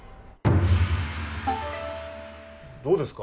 どうですか？